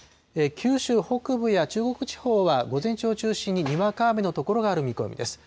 九州北部や中国地方は、午前中を中心ににわか雨の所がある見込みです。